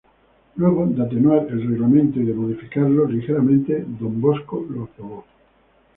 Luego de atenuar el reglamento y de modificarlo ligeramente, Don Bosco lo aprobó.